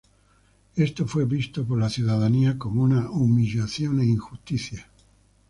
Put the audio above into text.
Esto fue visto por la ciudadanía como una humillación e injusticia.